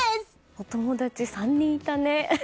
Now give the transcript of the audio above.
お友達３人いたね。